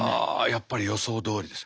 やっぱり予想どおりです。